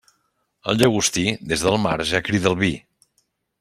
El llagostí, des del mar ja crida el vi.